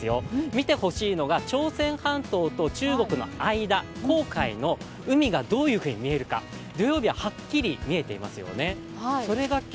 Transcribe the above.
見てほしいのが朝鮮半島と中国の間、公海の海がどういうふうに見えるか土曜日ははっきり見えていますよね。